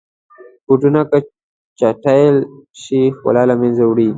بوټونه که چټل شي، ښکلا له منځه وړي.